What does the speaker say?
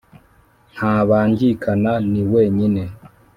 Ntabangikana, ni wenyine.